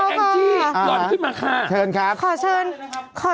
เชิญครับขอเชิญแองจี้ขอบคุณน้องมิ้นท์ด้วยต่อไปแองจี้ร้อนขึ้นมาค่ะ